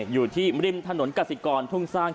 อยู่ที่ริมถนนกสิกรทุ่งสร้าง